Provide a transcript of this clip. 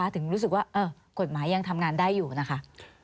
ถึงรู้สึกว่ากฎหมายยังทำงานได้อยู่นะคะ